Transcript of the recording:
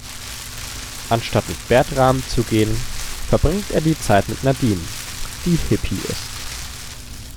Anstatt mit Bertram zu gehen, verbringt er die Zeit mit Nadine, die Hippie ist.